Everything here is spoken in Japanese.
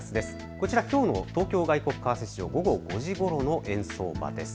こちら東京外国為替市場、午後５時ごろの円相場です。